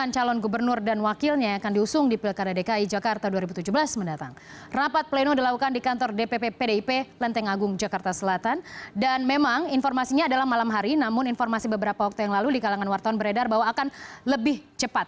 cnn indonesia breaking news